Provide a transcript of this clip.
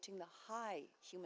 trong nhóm này